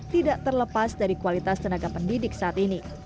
tidak terlepas dari kualitas tenaga pendidik saat ini